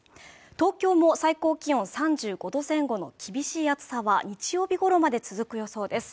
東京も最高気温３５度前後の厳しい暑さは日曜日ごろまで続く予想です